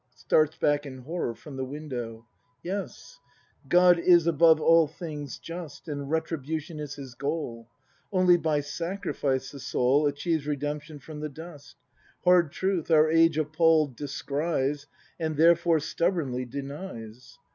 [Starts back in horror from the windov).] Yes, God is above all things just. And retribution is His goal; Only by sacrifice the soul Achieves redemption from the dust; Hard truth, our age appall'd descries. And, therefore, stubbornly denies.